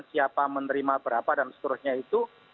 siapa menerima berapa dan seterusnya itu